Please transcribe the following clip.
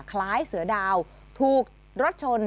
คล้ายเสือดาวถูกรถชน